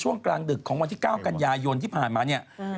กลางดึกของวันที่๙กันยายนที่ผ่านมาเนี่ย